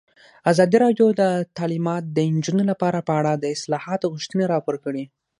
ازادي راډیو د تعلیمات د نجونو لپاره په اړه د اصلاحاتو غوښتنې راپور کړې.